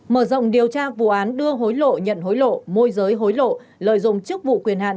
mở rộng điều tra vụ án đưa hối lộ nhận hối lộ môi giới hối lộ lợi dụng chức vụ quyền hạn